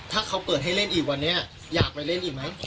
ถ้าเขาเปิดให้เล่นอีกวันนี้อยากไปเล่นอีกไหม